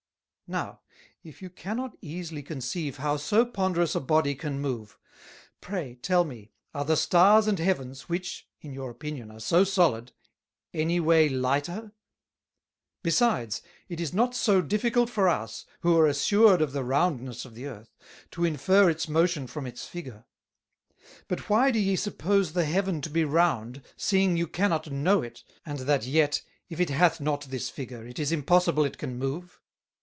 "Now if you cannot easily conceive how so ponderous a Body can move; Pray, tell me, are the Stars and Heavens, which, in your Opinion, are so solid, any way lighter? Besides, it is not so difficult for us, who are assured of the Roundness of the Earth, to infer its motion from its Figure: But why do ye suppose the Heaven to be round, seeing you cannot know it, and that yet, if it hath not this Figure, it is impossible it can move?